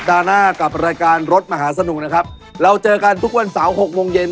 อ๋อชอบสร้างปฏิหารคือเสมอเสมอ